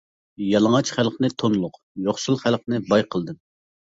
يالىڭاچ خەلقنى تونلۇق، يوقسۇل خەلقنى باي قىلدىم.